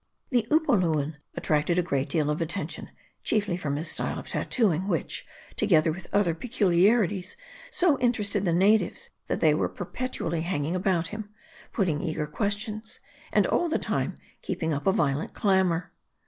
The Upoluan attracted a great deal of attention ; chiefly from his style of tattooing, which, together with other pecu liarities, so interested the natives, that they were perpetually hanging about him, putting eager questions, and all the time keeping up a violent clamor.